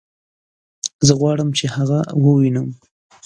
زه غواړم چې هغه ووينم